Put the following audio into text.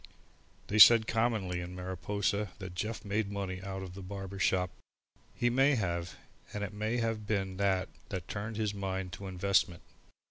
They said commonly in Mariposa that Jeff made money out of the barber shop. He may have, and it may have been that that turned his mind to investment.